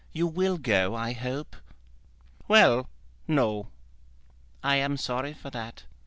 You will go I hope?" "Well; no." "I am sorry for that."